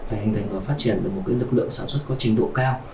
phải hình thành và phát triển được một lực lượng sản xuất có trình độ cao